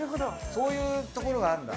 そういうところがあるんだ。